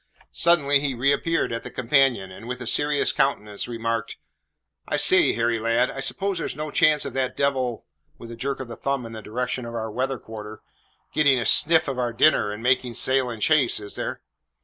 Suddenly he reappeared at the companion, and with a serious countenance remarked: "I say, Harry, lad, I s'pose there's no chance of that devil," with a jerk of the thumb in the direction of our weather quarter "getting a sniff of our dinner, and making sail in chase, is there?"